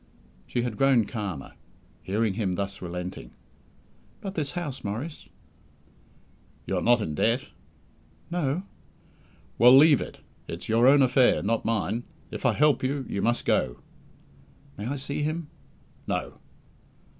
She had grown calmer, hearing him thus relenting. "But this house, Maurice?" "You are not in debt?" "No." "Well, leave it. It's your own affair, not mine. If I help you, you must go." "May I see him?" "No."